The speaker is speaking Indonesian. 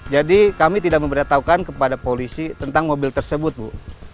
jadi kami tidak memberitahukan kepada polisi tentang mobil tersebut bu